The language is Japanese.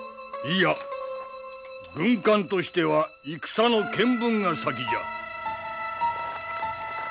いや軍監としては戦の検分が先じゃ。